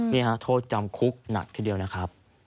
โทษจำคุกหนักทีเดียวนะครับ